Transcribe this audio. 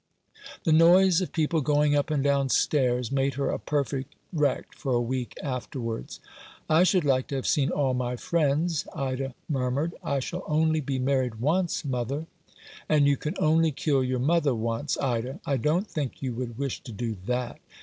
The noise of people going up and down stairs made her a perfect wreck for a week afterwards. " I should like to have seen all my friends," Ida murmured. " I shall only be married once, mother." " And you can only kill your mother once, Ida. I don't think you would wish to do that."